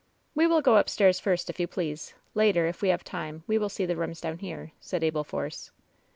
"We will go upstairs first, if you please ; later, if we have time, we will see the rooms down here," said Abel Force.